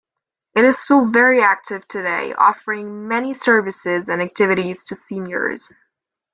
It is still very active today, offering many services and activities to Seniors.